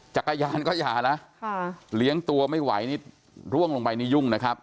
จักรยานก็อย่านะเลี้ยงตัวไม่ไหวนี่ร่วงลงไปนี่ยุ่งนะครับ